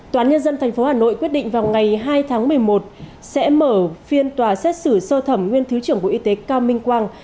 tòa án nhân dân tp hà nội quyết định vào ngày hai tháng một mươi một sẽ mở phiên tòa xét xử sơ thẩm nguyên thứ trưởng bộ y tế cao minh quang